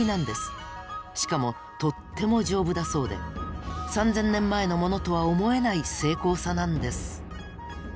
しかもとっても丈夫だそうで３０００年前のものとは思えない精巧さなんです。